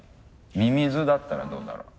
ミミズだったらどうだろう？